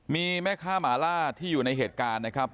มีแม่ค้าหมาล่าที่อยู่ในเหตุการณ์นะครับ